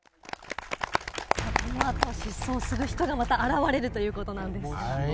さあ、このあと失踪する人がまた現れるということなんです。